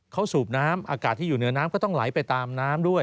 เขาสูบน้ำอากาศที่อยู่เหนือน้ำก็ต้องไหลไปตามน้ำด้วย